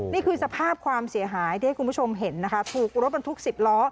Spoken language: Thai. นี่คือสภาพความเสียหายที่ให้คุณผู้ชมเห็นนะคะถูกรถบรรทุก๑๐ล้อ